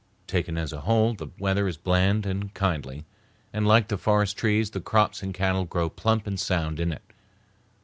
Taken as a whole, the weather is bland and kindly, and like the forest trees the crops and cattle grow plump and sound in it.